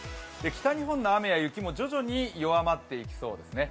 北日本の雨や雪も徐々に弱まっていきそうですね。